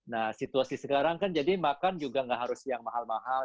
nah situasi sekarang kan jadi makan juga nggak harus yang mahal mahal